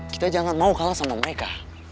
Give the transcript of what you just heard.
kita jangan mau kalah sama mereka